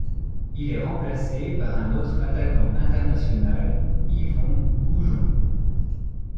Il est remplacé par un autre attaquant international, Yvon Goujon.